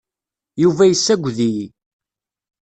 Yuba yessaged-iyi.